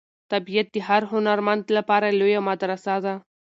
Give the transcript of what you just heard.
طبیعت د هر هنرمند لپاره لویه مدرسه ده.